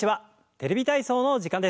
「テレビ体操」の時間です。